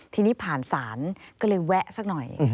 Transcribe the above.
ทีนี้ผ่านศาลก็เลยแวะสักหน่อย